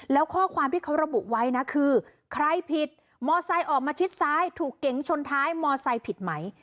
แล้วข้อความที่เขาระบุไว้นะคือใครผิดมอไซค์ออกมาชิดซ้ายถูกเก๋งชนท้ายมอไซค์ผิดไหม